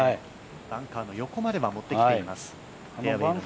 バンカーの横までは持ってきています、右サイド。